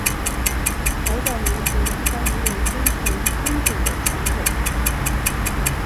海岛民族一般也有尊崇君主的传统。